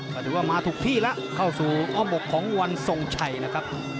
ก็ถือว่ามาถูกที่แล้วเข้าสู่อ้อมบกของวันทรงชัยนะครับ